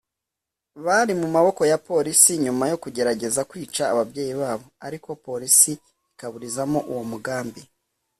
bari mu maboko ya polisi nyuma yo kugerageza kwica ababyeyi babo ariko polisi ikaburizamo uwo mugambi